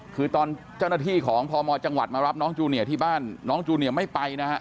คือตอนเจ้าหน้าที่ของพมจังหวัดมารับน้องจูเนียที่บ้านน้องจูเนียไม่ไปนะฮะ